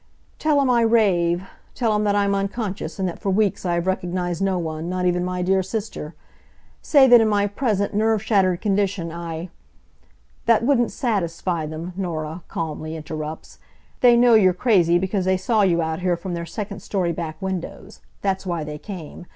"Tell 'em I rave. Tell 'em that I'm unconscious, and that for weeks I have recognized no one, not even my dear sister. Say that in my present nerve shattered condition I " "That wouldn't satisfy them," Norah calmly interrupts, "they know you're crazy because they saw you out here from their second story back windows. That's why they came.